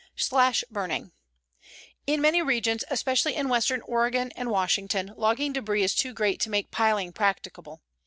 SLASH BURNING In many regions, especially in western Oregon and Washington, logging debris is too great to make piling practicable.